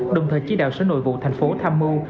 đồng thời chỉ đạo sở nội vụ thành phố tham mưu